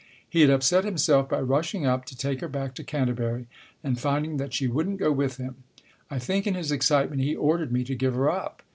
(He had upset himself by rushing up to take her back to Canterbury, and finding that she wouldn't go with him.) I think, in his excitement, he ordered me to give her up.